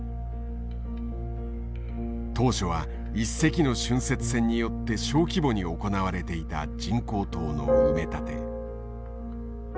当初は一隻の浚渫船によって小規模に行われていた人工島の埋め立て。